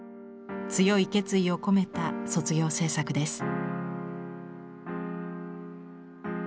強い決意を込めた卒業制作です。